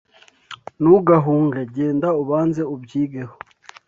Ntugahunge, genda ubanze ubyigeho